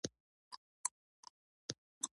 ممکن د چانه يې پيسې اخېستې وي.